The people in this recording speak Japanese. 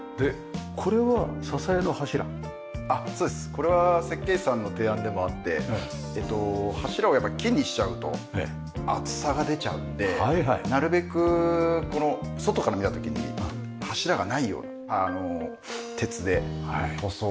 これは設計士さんの提案でもあって柱をやっぱ木にしちゃうと厚さが出ちゃうのでなるべく外から見た時に柱がないようあの鉄で細くなるべくして頂いたという。